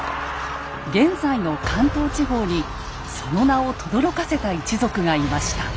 現在の関東地方にその名をとどろかせた一族がいました。